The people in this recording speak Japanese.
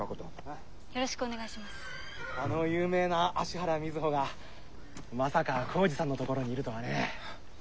あの有名な芦原瑞穂がまさか光司さんのところにいるとはね。